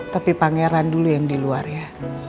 tapi pangeran dulu yang di luar ya